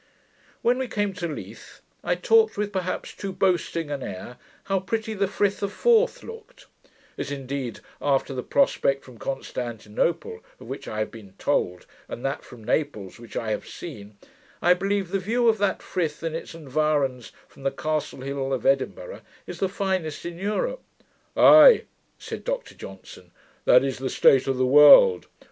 When we came to Leith, I talked with perhaps too boasting an air, how pretty the Frith of Forth looked; as indeed, after the prospect from Constantinople, of which I have been told, and that from Naples, which I have seen, I believe the view of that Frith and its environs, from the Castle Hill of Edinburgh, is the finest prospect in Europe. 'Ay,' said Dr Johnson, 'that is the state of the world.